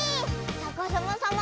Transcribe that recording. さかさまさま